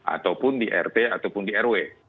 ataupun di rt ataupun di rw